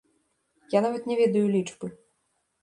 Я нават не ведаю лічбы.